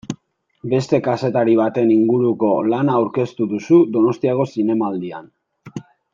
Beste kazetari baten inguruko lana aurkeztuko duzu Donostiako Zinemaldian.